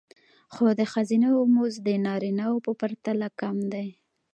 خو د ښځینه وو مزد د نارینه وو په پرتله کم دی